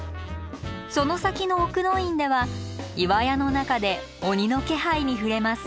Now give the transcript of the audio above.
その先の奥の院では岩屋の中で鬼の気配に触れます。